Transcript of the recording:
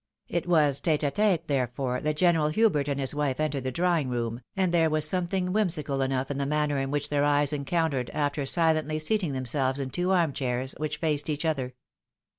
It was tete a tete, therefore, that General Hubert and his wife entered the drawing room, and there was something whimsical enough in the manner in which their eyes encountered after silently seating themselves in two arm chairs, which faced each other.